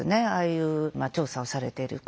いう調査をされていること